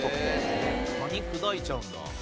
かみ砕いちゃうんだ。